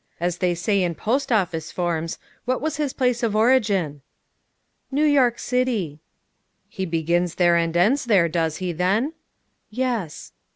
As they say in post office forms? what was his place of origin?" "New York City." "He begins there and ends there, does he, then?" "Yes."